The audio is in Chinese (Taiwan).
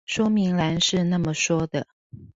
說明欄是那麼說的